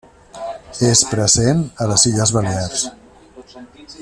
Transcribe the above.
És present a les Illes Balears.